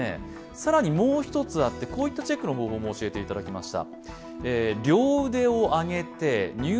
更にもう一つあって、こういったチェックの方法も教えていただきました。